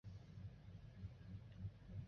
仲英书院的学生会和社团组织较为完善。